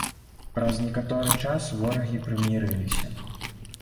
Праз некаторы час ворагі прымірыліся.